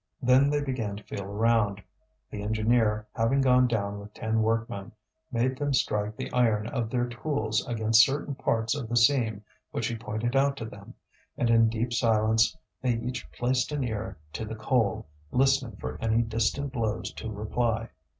Then they began to feel around. The engineer, having gone down with ten workmen, made them strike the iron of their tools against certain parts of the seam which he pointed out to them; and in deep silence they each placed an ear to the coal, listening for any distant blows to reply.